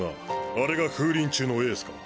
あれが風林中のエースか。